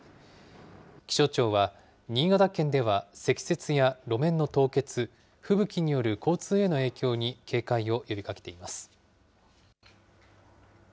気象庁は、新潟県では積雪や路面の凍結、吹雪による交通への影響に警戒を呼びかけています。